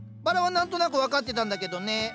バラは何となく分かってたんだけどね。